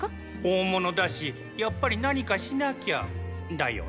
大物だしやっぱり何かしなきゃだよねぇ。